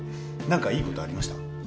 何かいいことありました？